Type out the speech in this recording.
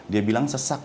dia bilang sesak